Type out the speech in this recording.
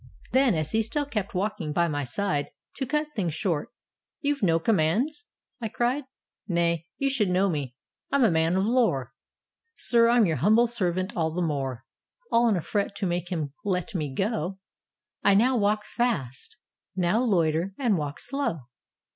Then, as he still kept walking by my side. To cut things short, "You've no commands?" I cried. "Nay, you should know me: I'm a man of lore." "Sir, I'm your humble servant all the more." All in a fret to make him let me go, I now walk fast, now loiter and walk slow.